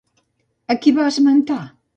A qui va esmentar?